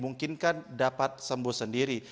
mungkin kan dapat sembuh sendiri